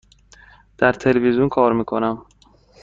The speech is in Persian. در تلویزیون کار می کنم.